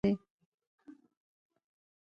دا خرقه مي د عزت او دولت دام دی